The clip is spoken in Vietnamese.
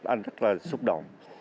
anh rất là xúc động